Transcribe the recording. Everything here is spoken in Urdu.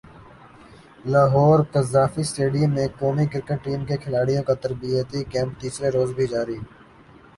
لاہور قذافی اسٹیڈیم میں قومی کرکٹ ٹیم کے کھلاڑیوں کا تربیتی کیمپ تیسرے روز بھی جاری